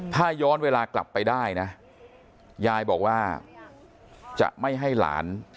ถ้าย้อนเวลากลับไปได้นะยายบอกว่าจะไม่ให้หลาน